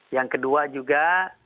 yang kedua juga